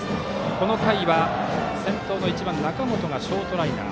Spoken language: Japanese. この回は、先頭の１番の中本がショートライナー。